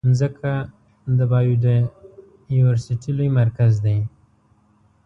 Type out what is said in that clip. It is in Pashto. مځکه د بایوډایورسټي لوی مرکز دی.